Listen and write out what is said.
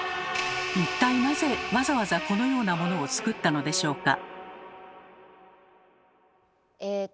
一体なぜわざわざこのようなモノを作ったのでしょうか？